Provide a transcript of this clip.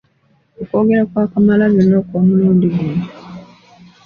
Okwogera kwa Kamalabyonna okw'omulundi guno